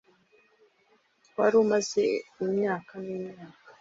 wari umaze imyaka n'imyaka